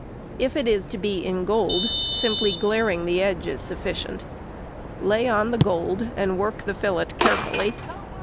If it is to be in gold, simply glairing the edge is sufficient. Lay on the gold and work the fillet carefully.